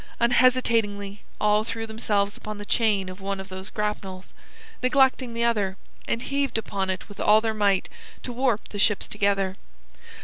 Unhesitatingly all threw themselves upon the chain of one of those grapnels, neglecting the other, and heaved upon it with all their might to warp the ships together.